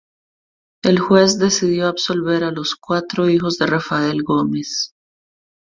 El juez decidió absolver a los cuatro hijos de Rafael Gómez.